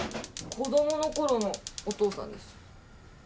子供の頃のお父さんです。